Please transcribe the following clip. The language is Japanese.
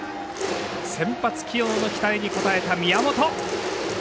先発起用の期待に応えた宮本。